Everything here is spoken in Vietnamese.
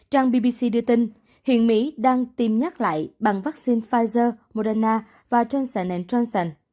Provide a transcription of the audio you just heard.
trang bbc đưa tin hiện mỹ đang tiêm nhắc lại bằng vaccine pfizer moderna và johnson johnson